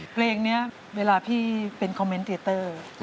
เพลงนี้เวลาพี่เป็นคอมเมนต์เตียเตอร์